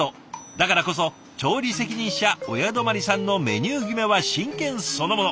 だからこそ調理責任者親泊さんのメニュー決めは真剣そのもの。